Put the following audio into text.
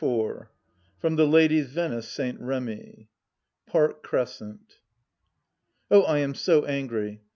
IV From The Lady Venice St. Remy Park Crescent. Oh, I am so angry!